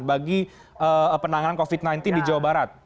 bagi penanganan covid sembilan belas di jawa barat